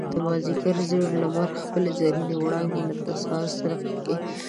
د مازيګر زېړ لمر خپل زرينې وړانګې لکه د سهار څرک په څېر ښوولې.